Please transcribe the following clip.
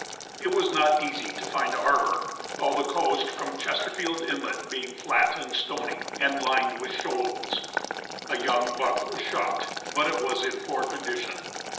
It was not easy to find a harbour, all the coast from Chesterfield Inlet being flat and stony, and lined with shoals. A young buck was shot, but it was in poor condition.